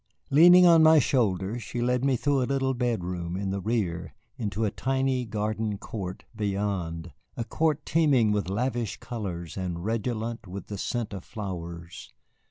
Leaning on my shoulder, she led me through a little bedroom in the rear into a tiny garden court beyond, a court teeming with lavish colors and redolent with the scent of flowers.